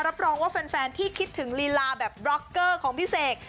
รับรองว่าแฟนที่คิดถึงลีลาแบบบล็อกเกอร์ของพี่เสก